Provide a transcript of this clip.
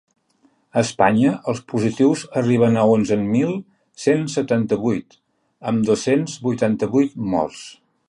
A Espanya els positius arriben a onzen mil cent setanta-vuit, amb dos-cents vuitanta-vuit morts.